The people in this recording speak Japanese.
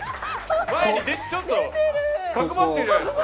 前にちょっと角張ってるじゃないですか。